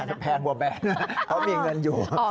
อันนี้แพงกว่าแบรนด์เพราะมีเงินอยู่